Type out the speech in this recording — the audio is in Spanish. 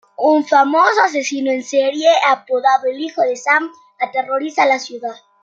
Un famoso asesino en serie, apodado "El Hijo de Sam", aterroriza la ciudad.